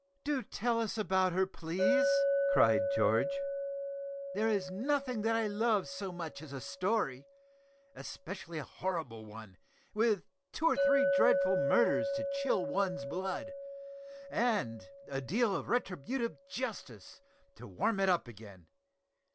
"Do tell us about her, please," cried George. "There is nothing that I love so much as a story especially a horrible one, with two or three dreadful murders to chill one's blood, and a deal of retributive justice to warm it up again.